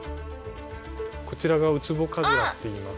こちらがウツボカズラっていいます。